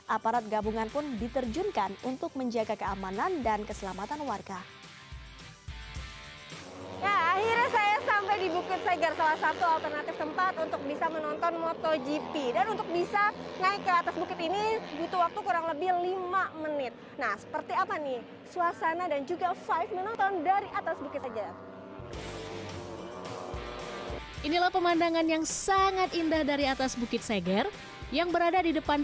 aparat gabungan pun diterjunkan untuk menjaga kesehatan